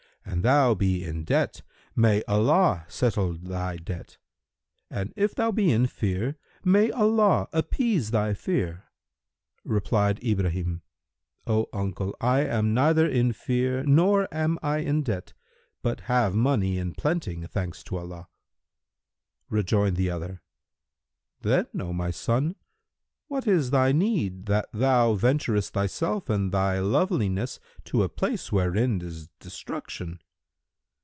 An thou be in debt, may Allah settle thy debt: and if thou be in fear, may Allah appease thy fear!" Replied Ibrahim, "O uncle, I am neither in fear nor am I in debt, but have money in plenty, thanks to Allah." Rejoined the other, "Then, O my son, what is thy need that thou venturest thyself and thy loveliness to a place wherein is destruction?"